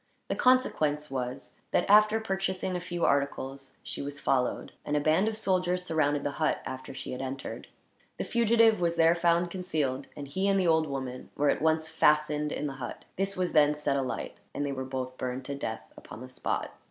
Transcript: The consequence was that, after purchasing a few articles, she was followed; and a band of soldiers surrounded the hut, after she had entered. The fugitive was there found concealed, and he and the old woman were at once fastened in the hut. This was then set alight, and they were burned to death, upon the spot.